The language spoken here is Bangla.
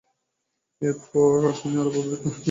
এরপর তিনি আরব এবং আফ্রিকার বিভিন্ন অংশে ভ্রমণ করেন।